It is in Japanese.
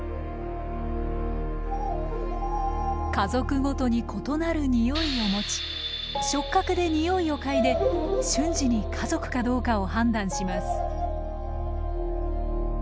家族ごとに異なるにおいを持ち触角でにおいを嗅いで瞬時に家族かどうかを判断します。